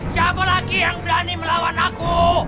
siapa lagi yang berani melawan aku